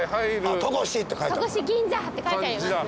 「戸越銀座」って書いてありますね。